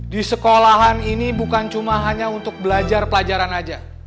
disekolahan ini bukan cuma hanya untuk belajar pelajaran aja